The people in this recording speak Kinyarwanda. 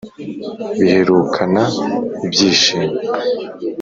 bihekurana ibyishimo